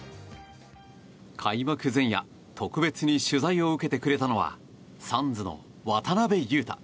開幕前夜特別に取材を受けてくれたのはサンズの渡邊雄太。